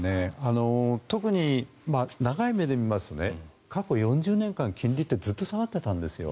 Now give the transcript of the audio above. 特に、長い目で見ますと過去４０年間、金利ってずっと下がっていたんですよ。